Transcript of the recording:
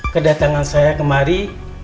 kedatangan saya kemari